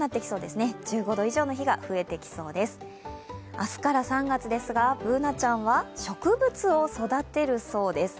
明日から３月ですが、Ｂｏｏｎａちゃんは植物を育てるそうです。